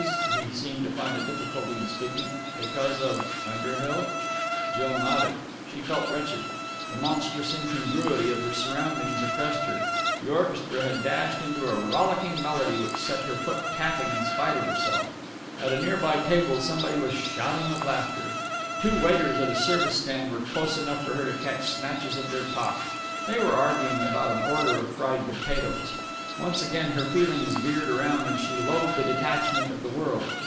He seemed to find a difficulty in speaking. "Because of Underhill?" Jill nodded. She felt wretched. The monstrous incongruity of her surroundings oppressed her. The orchestra had dashed into a rollicking melody, which set her foot tapping in spite of herself. At a near by table somebody was shouting with laughter. Two waiters at a service stand were close enough for her to catch snatches of their talk. They were arguing about an order of fried potatoes. Once again her feelings veered round, and she loathed the detachment of the world.